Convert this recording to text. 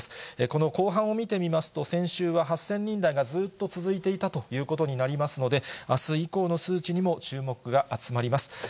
この後半を見てみますと、先週は８０００人台がずっと続いていたということになりますので、あす以降の数値にも注目が集まります。